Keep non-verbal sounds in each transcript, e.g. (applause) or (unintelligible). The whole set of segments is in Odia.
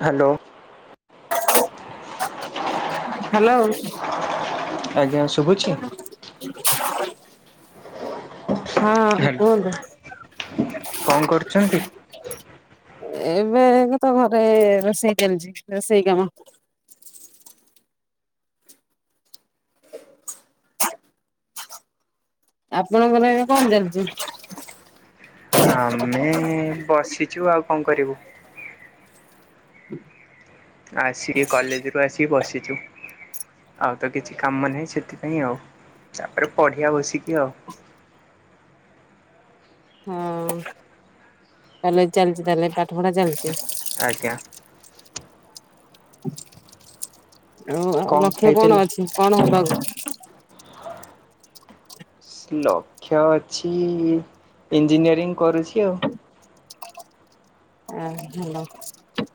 ହାଲୋ ହାଲୋ (unintelligible) ଆଜ୍ଞା, ଶୁଭୁଛି । ହଁ କହ? କଣ କରୁଛନ୍ତି? ଏବେ କ ତ ଘରେ ରୋଷେଇ ଚାଲିଛି, ରୋଷେଇ କାମ ଆପଣଙ୍କର ଏ କଣ ଚାଲିଛି? ଆମେ ବସିଛୁ ଆଉ କଣ କରିବୁ? ଆସିକି କଲେଜରୁୁ ଆସିକି ବସିଛୁ ଆଉ ତ କିଛି କାମ ନାହିଁ ସେଥିପାଇଁ ଆଉ, ତାପରେ ପଢିଆ ବସିକି ଆଉ (inaudible) ହଁ ତାହେଲେ ଚାଲିଚିତାହେଲେ, ପାଠ ପଢା ଚାଲିଚି ଆଜ୍ଞା ଆଉ ଆଉ କଣ ଲକ୍ଷ୍ୟ କଣ ଖାଇଥିଲେ? ଅଛି କଣ ହବା? ହ ଲକ୍ଷ୍ୟ ଅଛି ଇଞ୍ଜିନିୟରିଂ କରୁଛି ଆଉ ଆ ଭଲ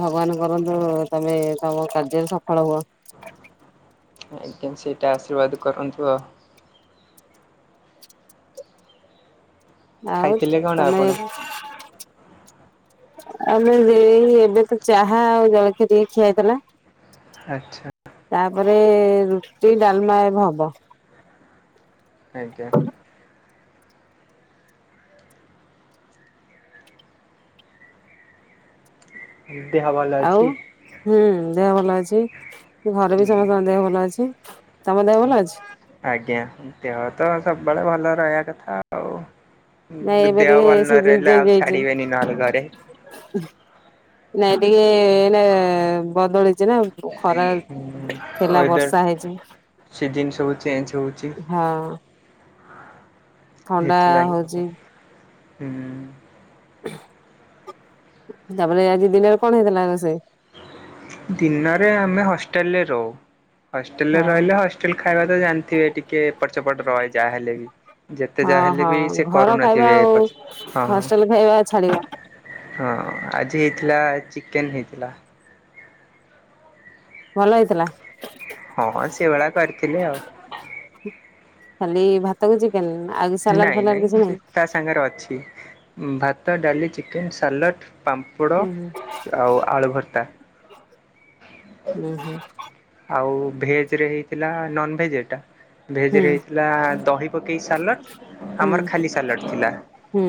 ଭଗବାନ କରନ୍ତୁ ତମେ ତମ କାର୍ଯ୍ୟରେ ସଫଳ ହୁଅ ଆଜ୍ଞା, ସେଇଟା ଆଶୀର୍ବାଦ କରନ୍ତୁ ଆଉ ଆଉ ଖାଇଥିଲେ କଣ ତମେ ଆପଣ? ଆମେ ଯ ଏବେ ତ ଚାହା ଆଉ ଜଳଖିଆ ଟିକେ ଖିଆ ହେଇଥିଲା । ଆଚ୍ଛା। ତାପରେ ରୁଟି ଡାଲମା ଏବେ ହବ। ଆଜ୍ଞା। ଦେହ ଭଲ ଆଉ ଅଛି? ହୁଁ ଦେହ ଭଲ ଅଛି ଘରେ ବି ସମସ୍ତଙ୍କ ଦେହ ଭଲ ଅଛି। ତମ ଦେହ ଭଲ ଅଛି? ଆଜ୍ଞା ଦେହ ତ ସବୁବେଳେ ଭଲ ରହିବା କଥା ଆଉ। ନାଇଁ ଏବେ ଦେହ ଟିକେ ଭଲ ସିଜିନ ନରହିଲେ ଚେଞ୍ଜ ଆଉ ହେଇଛି। ଛାଡିବେନି ନହେଲେ ଘରେ। ନାଇଁ ଟିକେ ଏନା ବଦଳି ଯେ ନା ଖରା ଥିଲା ବର୍ଷା ହେଇଚି। ସିଜିନ ସବୁ ଚେଞ୍ଜ ହଉଚି। ଥଣ୍ଡା ହଉଚି। ହୁଁ। ତାପରେ ଆଜି ଦିନରେ କଣ ହେଇଥିଲା ରୋଷେଇ? ଦିନରେ ଆମେ ହଷ୍ଟେଲରେ ରହୁ। ହଷ୍ଟେଲରେ ହଁ ରହିଲେ ହଷ୍ଟେଲ ଖାଇବା ତ ଜାଣିଥିବେ ଟିକେ ଏପଟ ସେପଟ ରହେ ଯାହାହେଲେ ବି। ଯେତେ ହଁ ଯାହା ହେଲେ ହଁ ବି ସେ ଘର ଖାଇବା କରୁନଥିବେ ଆଉ ପ ହଁ। ହଷ୍ଟେଲ ଖାଇବା ଛାଡିବ ହଁ ଆଜି ହେଇଥିଲା ଚିକେନ୍ ହେଇଥିଲା। ଭଲ ହେଇଥିଲା। ହଁ ସେ ଭଳିଆ କରିଥିଲେି ଆଉ। କଇଛ କେନେ ନାଇଁ ନାଇଁ ତା ସାଙ୍ଗରେ ଅଛି ଭାତ ଡାଲି ଚିକେନ ସାଲଡ। ପାମ୍ପଡ଼ ହୁଁ ଆଉ ଆଳୁ ଭର୍ତ୍ତା। ହ ହୁଁ। ଆଉ ଭେଜରେ ହେଇଥିଲା ନନ ଭେଜ ଏଇଟା ହୁଁ ଭେଜରେ ହେଇଥିଲା ଦହି ପକେଇ ସାଲଡ଼ ହୁଁ ଆମର ଖାଲି ସାଲଡ଼ ଥିଲା। ହୁଁ।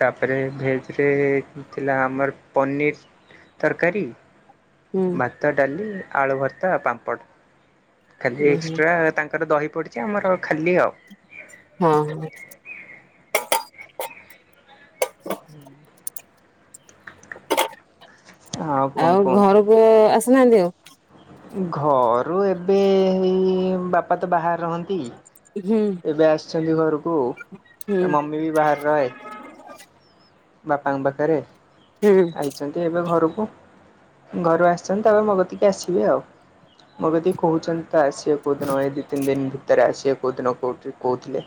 ତାପରେ ଭେଜରେ ଥିଲା ଆମର ପନିର୍ ତରକାରୀ। ହୁଁ ଭାତ ଡାଲି ଆଳୁ ଭର୍ତା ପାମ୍ପଡ ଖାଲି ହୁଁ ହୁଁ ଏକ୍ସଟ୍ରା ତାଙ୍କ ତାରେ ଦହି ପଡିଛି ଆମର ଖାଲି ଆଉ। ହଁ ହ। ହୁଁ। କଣ ଆଉ କୁହନ୍ତୁ? ଘରକୁ ଆସୁନାହାନ୍ତି ଆଉ? ଘରୁ ଏବେଇ ବାପା ତ ବାହାରେ ରହନ୍ତି। ହୁଁ ଏବେ ଆସିଚନ୍ତି ଘରକୁ ହୁଁ ଏ ମମି ବି ବାହାରେ ରହେ। ବାପାଙ୍କ ପାଖରେ, ହୁଁ ଆଇଚନ୍ତି ଏବେ ଘରୁ ହ ଘରୁ ଆସିଚନ୍ତି ତାପରେ ମୋ କତିକି ଆସିବେ, ଆଉ ମୋ କତିି କହୁଚନ୍ତି ତ ଆସିବା କଉଦିନ ଏଇ ଦି ତିନ ଦିନ ଭିତରେ ଆସିବେ କୋଉ ଦିନ କୋଉଠି କହୁଥିଲେ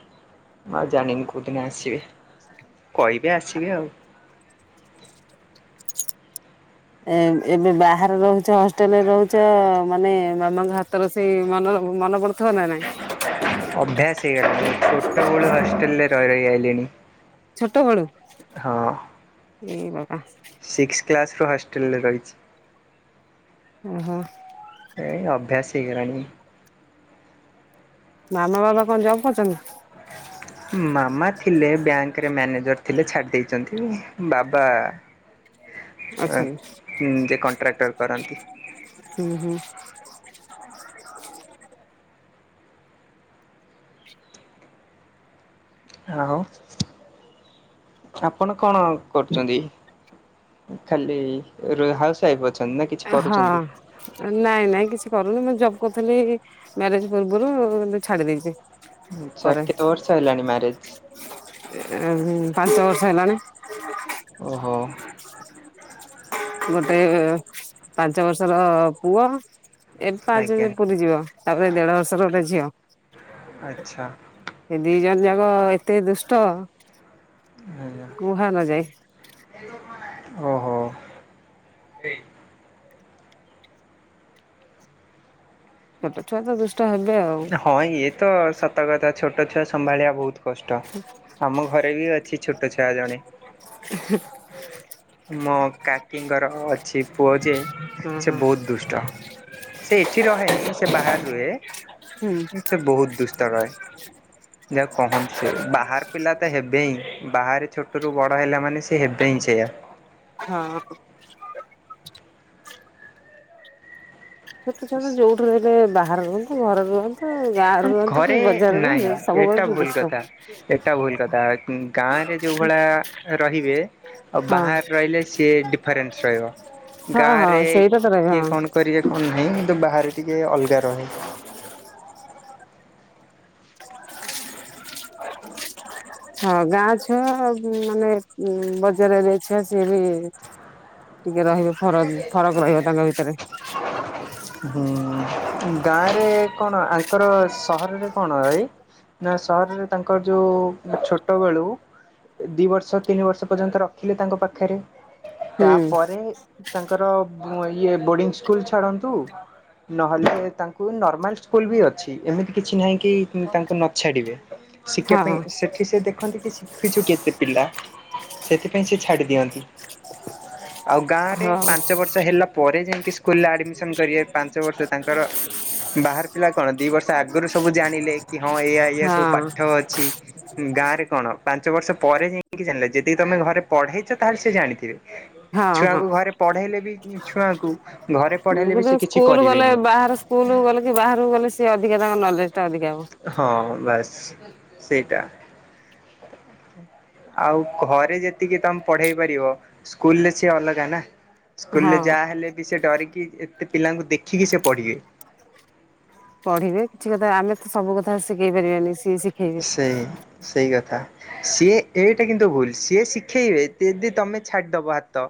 ମା ଜାଣିନି କୋଉ ଦିନ ଆସିବେ? କହିବି ଆସିବି ଆଉ। ଏ ଏବେ ବାହାରେ ରହୁଚ ହଷ୍ଟେଲରେ ରହୁଚ ମାନେ ମାମାଙ୍କ ହାତର ସେଇ ମନ ମନ ପଡୁଥିବ ନା ନାଇଁ? ଅଭ୍ୟାସ ହେଇ ଗଲାଣି, ଛୋଟ ବଳୁ ହଷ୍ଟଲରେ ରହି ରହି ଆଇଲିଣି। ହଁ। ଏଇ ବାକା ସିକ୍ସ କ୍ଲାସ୍ ରୁ ହଷ୍ଟେଲରେ ଓହୋ ରହିଚି। ଏଇ ଅଭ୍ୟାସ ହେଇଗଆଣି। ମାମା ବାବା କଣ ଜବ୍ କରୁଚନ୍ତି? ମାମା ଥିଲେ ବ୍ୟାଙ୍କରେ ମ୍ୟାନେଜର ଥିଲେ ଛାଡି ଦେଇଚନ୍ତି। ବାବା ଅଛନ୍ତି ଯେ କଣ୍ଟ୍ରାକ୍ଟର କରନ୍ତି। ହୁଁ ହୁଁ। ଆଉ ଆପଣ କଣ କରୁଚନ୍ତି? ଖାଲି ର ହାଉସ୍ ୱାଇଫ ଅଛ ହଁ ନାଇଁ ନାଇଁ କିଛି କରୁନି ମୁଁ ଜବ୍ କରୁଥୁଲି। ମ୍ୟାରେଜ ପୂର୍ବରୁ ଏବେ ଛାଡି ଦେଇଚି। ଚା କେ ବର୍ଷ ହେଲାଣି ମ୍ୟାରେଜ? ପାଞ୍ଚ ବର୍ଷ ହେଲାଣି। ଓହୋ। ଗୋଟେ ପାଞ୍ଚ ବର୍ଷର ପୁଅ। ଏବେ ପାଞ୍ଚ ଆଜ୍ଞା ପୁରୀ ଯିବ ତାପରେ ଦେଢ ବର୍ଷର ଗୋଟେ ଝିଅ। ଆଚ୍ଛା ଏ ଦି ଜଣ ଯାକ ଏତେ ଦୁଷ୍ଟ। ଆଜ୍ଞା। କୁହା ନ ଯାଏ। ଓହୋ। ଛୋଟ ଛୁଆ ତ ଦୁଷ୍ ହଁ ଇଏ ତ ସତ କଥା ଛୋଟ ଛୁଆ ସମ୍ଭାଳିବା ବହୁତ କଷ୍ଟ ଆମ ଘରେ ବି ଅଛି ଛୋଟ ଛୁଆ ଜଣେ। ମୋ କାକିଙ୍କର ଅଛି ପୁଅ ଯେ ହୁଁ ସେ ହୁଁ ବହୁତ ଦୁଷ୍ଟ। ସେ ଏଠି ରହେନି ସେ ବାହାରେ ରୁହେ ସେ ବହୁତ ଦୁଷ୍ଟ କାଳେ। ଯାହା କହନ୍ତି ସେ ବାହାର ପିଲା ତ ହେବେ ହିଁ ବାହାରେ ଛୋଟ ରୁ ବଡ ହେଲା ମାନେ ସେ ସେ ହେବେ ହିଁ ସେଇଆ। ହଁ। ଛୋଟ ଛୁଆ ନା ଯୋଉଠୁ ରହିଲେ ବାହାରେ ରୁହନ୍ତୁ ଘରେ ରୁହନ୍ତୁ। ଗାଁ ରୁହନ୍ତୁ କି ଘରେ ବଜାରରୁ ନାହିଁ ରୁହନ୍ତି ଏଟା ସବୁବେଳେ ଭୁଲ ଦୁଷ୍ଟ। କଥା। ଘରେ ଯୋଉ ଭଳି ରହିବେ ଆଉ ହଁ ବାହାରେ ରହିଲେ ସିଏ ଡିଫରେନ୍ସ ରହିବ। ହଁ ଗାଁ ହଁ ରେ ସେଇଟା ତ ରହିବ କିଏ ହଁ କଣ କରିବେ କଣ ନାହିଁ କିନ୍ତୁ ବାହାରେ ଟିକେ ଅଲଗା ରହେ। ହଁ ଗାଁ ଛୁଅ ମାନେ ବଜାରରେ ଛୁଆ ସିଏ ବି ହ ଫରକ୍ ଫରକ୍ ରହିବ ତାଙ୍କ ଭିତରେ। ହ ହୁଁ ଗାଁ ରେ କଣ ଆଙ୍କର ସହରରେ କଣ ରାଇ ନା ସହରରେ ତାଙ୍କର ଯୋଉ ଛୋଟ ବେଳୁ ଦି ବର୍ଷ ତିନି ବର୍ଷ ପର୍ଯ୍ୟନ୍ତ ରଖିଲେ ତାଙ୍କ ପାଖରେ ହୁଁ ତାପରେ ତାଙ୍କର ଇଏ ବୋର୍ଡିଙ୍ଗ ସ୍କୁଲ ଛାଡ଼ନ୍ତୁ। ନହେଲେ ତାଙ୍କୁ ନର୍ମାଲ ସ୍କୁଲ ବି ଅଛି ଏମିତି କିଛି ନାହିଁ କି ତାଙ୍କୁ ନଛାଡ଼ିବେ। ଶିକିବା ହଁ ପାଇଁ ସେଠି ସେ ଦେଖନ୍ତି କି ଶିଖିଛୁ କେତେ ପିଲା। ସେଥିପାଇଁ ସେ ଛାଡି ଦିଅନ୍ତି ଆଉ ଗାଁରେ। ହଁ ପାଞ୍ଚ ବର୍ଷ ହେଲା ପରେ ଯାଇଁକି ସ୍କୁଲରେ ଆଡମିସନ କରିବେ ପାଞ୍ଚ ବର୍ଷ ତାଙ୍କର ବାହାର ପିଲା କଣ କଣ ଦି ବର୍ଷ ଆଗରୁ ସବୁ ଜାଣିଲେ କି ହଁ ଏଇ ଏଇଆ ସବୁ ହଁ। ପାଠ ଅଛି ଗାଁ ରେ କଣ? ପାଞ୍ଚ ବର୍ଷ ପରେ ଯାଇକି ଜାଣିଲେ ଯେତିକି ତମେ ଘରେ ପଢ଼େଇଛ ତାହେଲେ ସିଏ ଜାଣିଥିବେ। ହଁ ହଁ। ଛୁଆଙ୍କୁ ଘରେ ପଢେଇଲେ ବି ଛୁଆଙ୍କୁ ଘରେ ମୁଁ ପଢେଇଲେ ବି କିନ୍ତୁ ସେ କିଛି ସ୍କୁଲ ଗଲେ କରିବେନି। ବାହାର ସ୍କୁଲ ଗଲେ କି ବାହାରକୁ ଗଲେ ସେ ଅଧିକା ତାଙ୍କ ନଲେଜ ଟା ଅଧିକା ହବ। ହଁ ବାସ୍ ସେଇଟା। ଆଉ ଘରେ ଯେତିକି ତମେ ପଢେଇ ପାରିବ ସ୍କୁଲ ରେ ସି ଅଲଗା ନା। ସ୍କୁଲ ରେ ହଁ। ଯାହା ହେଲେ ବି ସେ ଡରିକି ଏତେ ପିଲାଙ୍କୁ ଦେଖିକି ସେ ପଢିବେ। ପଢିବେ କିଛି କଥା ଆମେ ତ ସବୁ କଥା ଶିଖେଇ ପାରିବାନି। ସିଏ ଶିଖେଇବେ। ସେଇ ସେଇ କଥା। ସିଏ ଏଇଟା କିନ୍ତୁ ଭୁଲ ସିଏ ଶିଖେଇବେଦି ଜେଦି ତମେ ଛାଡିଦବ ହାତ।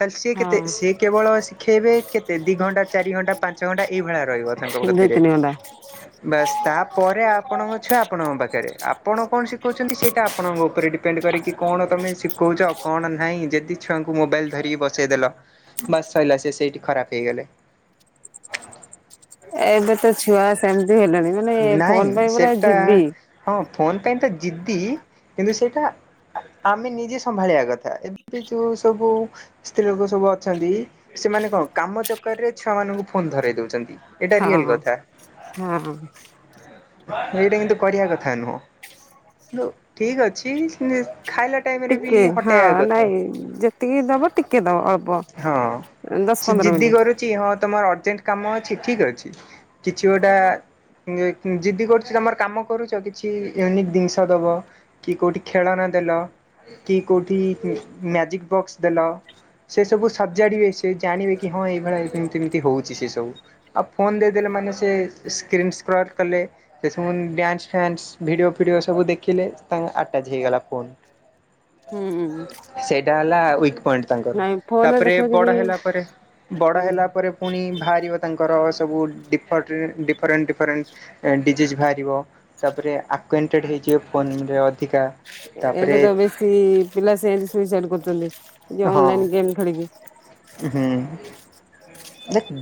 ତାହଲେ ସି କେତେ ହଁ ସିଏ କେବଳ ଶିଖେଇବେ କେତେ ଦି ଘଣ୍ଟା ଚାରି ଘଣ୍ଟା ପାଞ୍ଚ ଘଣ୍ଟା ଏଇଭଳିଆ ରହିବ ତାଙ୍କ ପାଖ ଏତ୍ନି କଣ୍ଡା (unintelligible) ବାସ୍, ତାପରେ ଆପଣଙ୍କ ଛୁଆ ଆପଣଙ୍କ ପାଖରେ, ଆପଣ କଣ ଶିଖଉଛନ୍ତି ସେଇଟା ଆପଣଙ୍କ ଉପରେ ଡିପେଣ୍ଡ କରେ, କି କଣ ତମେ ଶିଖଉଛ କଣ? ନାଇଁ ଯଦି ଛୁଆଙ୍କୁ ମୋବାଇଲ ଧରିକି ବସେଇଦେଲ ବାସ ସଇଲା ସେଇଠି ଖରାପ ହେଇଗଲେ ଏବେ ତ ଛୁଆ ସେମିତି ହେନି ମାନେ ନାଇଁ ଫୋନ ପାଇଁ ପୁରା ସେଟା ଯିଦି ହଁ ଫୋନ୍ ପାଇଁ ତ ଜିଦ୍ଦି କିନ୍ତୁ ସେଇଟା ଆମେ ନିଜେ ସମ୍ଭାଳିବା କଥା, ଏବେ ବି ଯୋଉ ସବୁ ସ୍ତ୍ରୀ ଲୋକ ସବୁ ଅଛନ୍ତି ସେମାନେ କଣ କାମ ଚକର ରେ ଛୁଆମାନଙ୍କୁ ଫୋନ ଧରାଇ ଦଉଛନ୍ତି । ହଁ ହ ଏଇଟା କିନ୍ତୁ କରିବା କଥା ନୁହଁ କିନ୍ତୁ ଠିକ ଅଛି । ଖାଇଲା ଟାଇମରେ ବି ଟିକେ ହଁ ହଟେଇବା କଥା, ନାଇଁ ଯେତିକି ଦବ ଟିକେ ଦବ ଅଳ୍ପ। ହଁ ଦଶ - ସେ ପନ୍ଦର ଜିଦ୍ଦି ମିନିଟ୍ କରୁଛି, ହଁ ତମର ଅର୍ଜେଣ୍ଟ କାମ ଅଛି ଠିକ ଅଛି, କିଛି ଗୋଟା ଜିଦି କରୁଛି ତମର କାମ କରୁଛ, କିଛି ୟୁନିକ ଜିନିଷ ଦବ, କି କୋଉଠି ଖେଳନା ଦେଲେ କି କଉଠି ମ୍ୟାଜିକ ବକ୍ସ ଦେଲ ସେ ସବୁ ସଜାଡିବେ, ସେ ଜାଣିବେ କି ହଁ ଏଇଭଳିଆ ଏମତି ଏମତି ହଉଛି ସେ ସବୁ, ଆଉ ଫୋନ ଦେଇଦେଲେ ମାନେ ସେ ସ୍କ୍ର (unintelligible) ପ୍ର (unintelligible) କଲେ ସେସବୁ ଡ୍ୟାନ୍ସ, ଫ୍ୟାନ୍ସ, ଭିଡ଼ିଓ ଫିଡ଼ିଓ ସବୁ ଦେଖିଲେ, ତାଙ୍କ ଆଟାଚ୍ ହେଇଗଲା ଫୋନ୍ ହ (unintelligible) ହୁଁ ହ (unintelligible) ତା ହେଲା (unintelligible) ତାଙ୍କର, ତାପରେ ଦେଖିବ ଯଦି ବଡ ହେଲା ପରେ, ବଡ ହୁଁ। ହେଲା ପରେ ପୁଣି ବାହାର ତାଙ୍କର ସବୁ ଡି ଡିଫରେଣ୍ଟ ଡିଫରେଣ୍ଟ ଡିଜିଜ୍ ବାହାରିବ, ତାପରେ ଆକ୍ୱାୱାଣ୍ଟେଡ୍ ହେଇଯିବ, ଫୋନ ଏବେ ତ ବେଶୀ ପିଲା ସେମତି ସୁଇସାଇଡ କରୁଛନ୍ତି, ହଁ ଅନଲାଇନ ଗେମ୍ ଖେଳ, ହୁଁ ।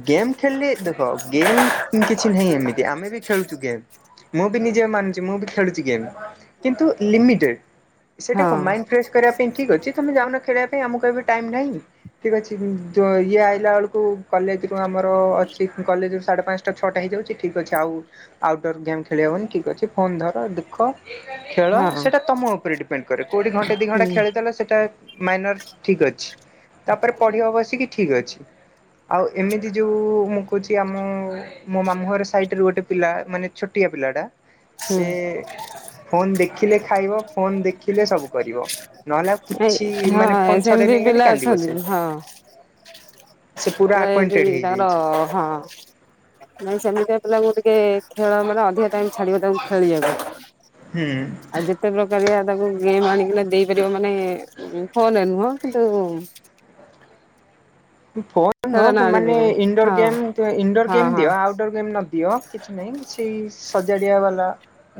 ଗେମ୍ ଖେଳିଲି ଦେଖ ଗେମ୍ କିଛି ନାହିଁ ଏମିତି ଆମେ ବି ଖେଳୁଛୁ ଗେମ୍। ମୁଁ ବି ନିଜେ ମାନୁଛି ମୁଁ ବି ଖେଳୁଛି ଗେମ୍ କିନ୍ତୁ ଲିମିଟେଡ । ସେଇଟା ହଁ କଣ ମାଇଣ୍ଡ ଫ୍ରେଶ କରିବା ପାଇଁ ଠିକ୍ ଅଛି ତମେ ଯାଉନ ଖେଳିବା ପାଇଁ ଆମକୁ ଏହବେ ଟାଇମ୍ମ ନାହିଁ ଠିକ ଅଛି ଇଏ ଆଇଲା ବେଳକୁ କଲେଜ ରୁ ଆମର ଅଛି କଲେଜ ରୁ ସାଢେ ପାଞ୍ଚଟା ଛଅଟା ହେଇଯାଉଛି ଠିକ୍ ଅଛି ଆଉ ଆଉଟଡୋର ଗେମ୍ ଖେଳିବା। ଭାଇ ଠିକ୍ ଅଛି ଫୋନ୍ ଧର ଦେଖ। ଖେଳ ହଁ ସେଇଟା ତମ ଉପରେ ଡିପେଣ୍ଡ କରେ କୋଉଠି ଘଣ୍ଟେ ଦି ହୁଁ ଘଣ୍ଟା ଖେଳିଦେଲେ ସେଟା ମାଇନର ଠିକ୍‌ ଅଛି ତାପରେ ପଢିବା ବସିକି ଠିକ ଅଛି। ଆଉ ଏମିତି ଯୋଉ ମୁଁ କହୁଛି ଆମ ମୋ ମାମୁଁ ଘର ସାଇଟରେ ଗୋଟେ ପିଲା ମାନେ ଛୋଟିଆ ପିଲା ହେଟା ହୁଁ। ସେ ଫୋନ୍‌ ଦେଖିଲେ ଖାଇବ ଫୋନ୍‌ ଦେଖିଲେ ସବୁ କରିବ। ନହେଲେ ଆଉ ନାଇଁ କିଛି ମାନେ ହଁ ଫୋନ ଛଡେଇ ସେମିତି ନେଇଗଲେ ପିଲା କାନ୍ଦିବ ଅଛନ୍ତି ସେ। ହଁ। ସେ ପୁରା ଏଇ ଆକ୍ୱାଣ୍ଟେଡ୍ ଯୋଉ ତାଙ୍କର ହେଇଯାଇଛି। ହଁ (inaudible) ନାଇ ସେମିତି ପିଲାଙ୍କୁ ଟିକେ ଖେଳ ମାନେ ଅଧିକ ଟାଇମ ଛାଡିବ ତାଙ୍କୁକୁ ଖେଳିବାକୁ। ହୁଁ। ଆଉ ଯେତେ ପ୍ରକାରଆ ତାକୁ ଗେମ୍ ଆଣିକି ଦେଇପାରିବ ମାନେ ଫୋନରେ ନୁହଁ। ଦେଇଦେଉ ଫୋନ ଆଣି ମାନେ ଦେଇପାରିବ ଇଣ୍ଡୋର ହଁ ଗେମ୍ ଇଣ୍ଡୋର ହଁ ଗେମ୍ ହଁ ଦିଅ ଆଉଟଡୋର ଗେମ୍ ନ ଦିଅ କିଛି ନାହିଁ। ସେଇ ସଜାଡିଆ ବାଲା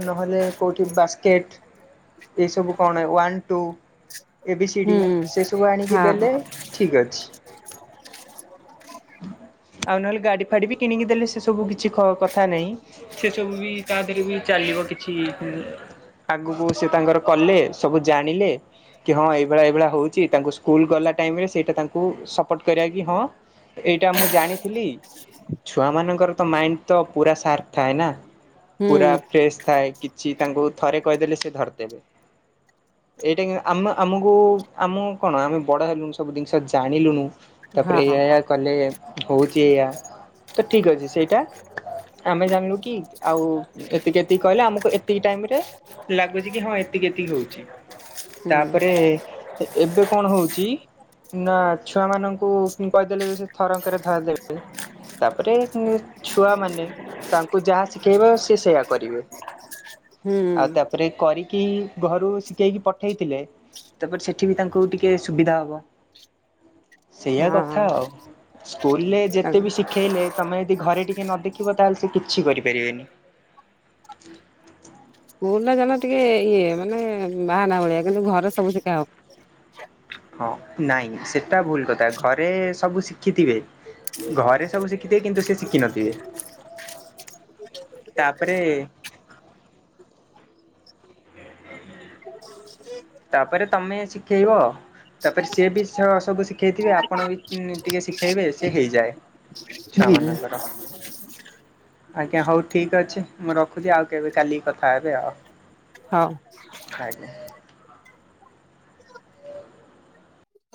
ନହେଲେ କେଉଁଠି ବାସ୍କେଟ୍। ଏଇସବୁ କଣ one two. A B C D ହୁଁ। ସେ ସବୁ ଆଣିକି ହଁ ଦେଲେ ଠିକ୍ ଅଛି। (inaudible) ଆଉ ନହେଲେ ଗାଡି ଫାଡି ବି କିଣିକି ଦେଲେ ସେ ସବୁ କିଛି କିଛି କଥା ନାହିଁ ସେସବୁ ବି ତା ଦେହରେ ବି ଚାଲିବ କିଛି ଆଗକୁ ସେ ତାଙ୍କର କଲେ ସବୁ ଜାଣିଲେ କି ହଁ ଏଇଭଳିଆ ଏଇଭଳିଆ ହଉଛି ତାଙ୍କୁ ସ୍କୁଲ ଗଲା ଟାଇ ହୁଏ ତାଙ୍କୁ ସପଟ କରିବା କି ହଁ ଏଇଟା ମୁଁ ଜାଣିଥିଲି ଛୁଆ ମାନଙ୍କର ମାଇଣ୍ଡ ତ ପୁରା ସାର୍ପ ଥାଏ ନା ହୁଁ ପୁରା ଫ୍ରେଶ ଥାଏ। କି ତ ଚି ତାଙ୍କୁ ଥରେ କହିଦେଲେ ସେ ଧରିଦେବେ। ଏଇଟା ଆମ ଆମକୁ ଆମକୁ କଣ ଆମେ ବଡ ହେଲୁନୁ ସବୁ ଜିନିଷ ଜାଣିଲୁଣୁ। ତାପରେ ହଁ ଏଇୟା ଏଇୟା କଲେ। ହଉଛି ଏଇଆ ତ ଠିକ୍‌ ଅଛି ସେଇଟା ଆମେ ଜାଣିଲୁ କି ଆଉ ଏତିକି ଏତିକି କହିଲେ ଆମକୁ ଏତିକି ଟାଇମରେ ଲାଗୁଛି କି ହଁ ଏତିକି ଏତିକି ହଉଛି। ହୁଁ ତାପରେ ଏବେ କଣ ହଉଛି ନା ଛୁଆ ମାନ କୁ କହିଦେଲେ ସେ ଥରଙ୍କରେ ଧରିଦେଲେ। ତାପରେ ଛୁଆ ମାନେ ତାଙ୍କୁ ଯାହା ଶିଖେଇବ ସେ ସେୟା କରିବେ। ଆଉ ହୁଁ। ତାପରେ କରି କି ଘରୁ ଶିଖେଇକି ପଠେଇଥିଲେ ତାପରେ ସେଠି ବି ତାଙ୍କୁ ଟିକେ ସୁବିଧା ହବ। (inaudible) ସେଇଆା ହଁ କଥା ଆଉ ସ୍କୁଲରେ ଯେତେ ବି ଶିଖେଇଲେ ତମେ ଯଦି ଘରେ ଟିକେ ନ ଦେଖିବ ତାହେଲେ ସେ କିଛି କରିପାରିବେନି। (inaudible) ମୁଁ ନଗଲେ ଇଏ ମାନେ ମାନେ ବାହାନା ଭଳିଆ କିନ୍ତୁ ଘରେ ସବୁ ଶିଖା ହବ। ହଁ ନାଇଁ ସେଟା ଭୁଲ କଥା ଘରେ ସବୁ ଶିଖିଥିବେ। ଘରେ ସବୁ ଶିଖିଥିବେ କିନ୍ତୁ ସେ ଶିଖିନଥିବେ। ତାପରେ। ତାପରେ ତମେ ଶିଖେଇବ ତାପରେ ସିଏ ବି ସ-ସବୁ ଶି ଶିଖେଇଥିବେ ଆପଣ ବି ଟିକେ ଶିଖେଇବେ ସେ ହେଇଯାଏ। ହୁଁ ଛୁଅମାନଙ୍କର ଆଜ୍ଞା ହୋଉ ଠିକଅଛି। ମୁଁ ରଖୁଚି ଆଉ କେବେ କାଲିକି କଥା ହେବି ଆଉ। ହଉ। ଆଜ୍ଞା।